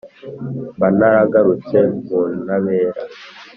mba naragarutse mu ntabera